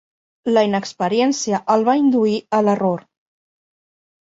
La inexperiència el va induir a l'error.